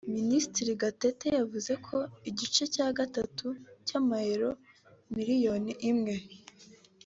Ministiri Gatete yavuze ko igice cya gatatu cy’amayero miliyoni imwe